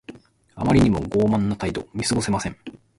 あまりにも傲慢な態度。見過ごせません。